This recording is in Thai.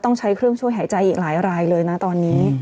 ต้องใช้เครื่องช่วยหายใจอีกหลายรายเลยนะตอนนี้